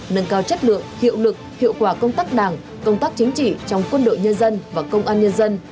nâng cao chất lượng hiệu lực hiệu quả công tác đảng công tác chính trị trong quân đội nhân dân và công an nhân dân